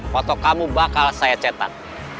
foto kamu bakal saya cetak